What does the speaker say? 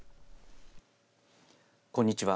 こんにちは。